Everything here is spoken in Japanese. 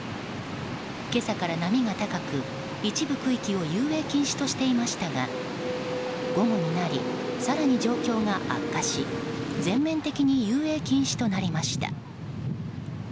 今朝から波が高く一部区域を遊泳禁止としていましたが午後になり、更に状況が悪化し全面的に遊泳禁止となりました。